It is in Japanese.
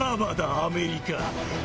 アメリカ。